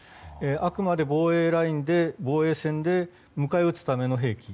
あくまで防衛ラインで、防衛線で迎え撃つための兵器。